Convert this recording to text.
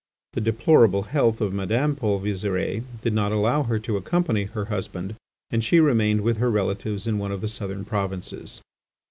The deplorable health of Madame Paul Visire did not allow her to accompany her husband, and she remained with her relatives in one of the southern provinces.